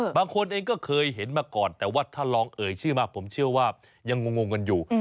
บางคนเองก็เคยเห็นมาก่อนแต่ว่าถ้าลองเอ่ยชื่อมาผมเชื่อว่ายังงงกันอยู่